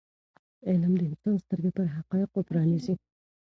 علم د انسان سترګې پر حقایضو پرانیزي.